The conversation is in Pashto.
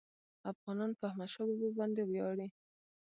افغانان په احمدشاه بابا باندي ویاړي.